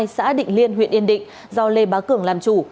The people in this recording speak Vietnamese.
xã định liên huyện yên định do lê bá cường làm chủ